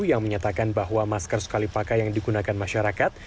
yang menyatakan bahwa masker sekali pakai yang digunakan masyarakat